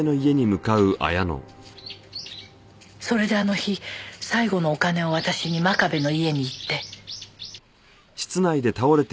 それであの日最後のお金を渡しに真壁の家に行って。